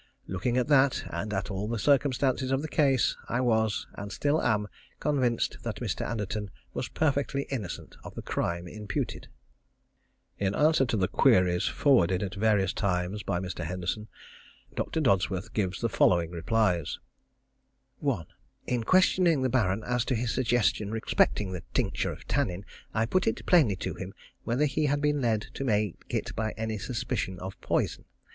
Looking at that, and at all the circumstances of the case, I was, and still am, convinced that Mr. Anderton was perfectly innocent of the crime imputed. In answer to the queries forwarded at various times by Mr. Henderson, Dr. Dodsworth gives the following replies: 1. In questioning the Baron as to his suggestion respecting the tincture of tannin, I put it plainly to him whether he had been led to make it by any suspicion of poison.